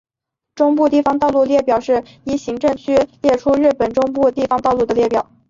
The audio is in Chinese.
中部地方道路列表是依行政区列出日本中部地方道路的列表。